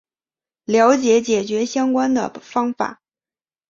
了解解决相关的方法